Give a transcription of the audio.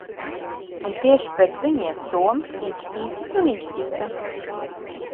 Un tieši pēc viņiem, Toms Īkstītis un Īkstīte!